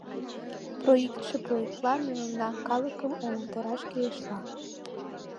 Проиктше проиктла, но мимнан калыкым умылтараш кӱлешла...